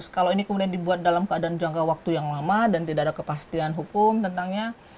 kalau ini kemudian dibuat dalam keadaan jangka waktu yang lama dan tidak ada kepastian hukum tentangnya